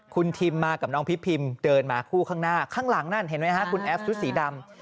คุณทิมมากับน้องพี่พิมเจินมาคู่ข้างหน้าข้างหลังนั่นคุณแอฟซุศีดำ